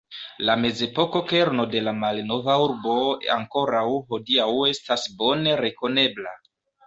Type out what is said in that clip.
La mezepoko kerno de la malnova urbo ankoraŭ hodiaŭ estas bone rekonebla.